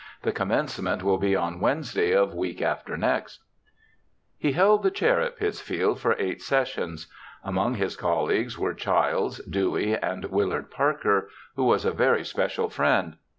The commencement will be on Wednesda}' of week after next.' He held the chair at Pittsfield for eight sessions. Among his colleagues were Childs, Dewey, and Willard Parker, who was a very special friend.